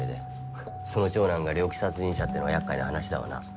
はっその長男が猟奇殺人者ってのはやっかいな話だわな。